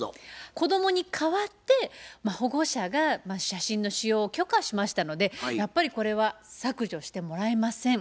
子供に代わって保護者が写真の使用を許可しましたのでやっぱりこれは削除してもらえません。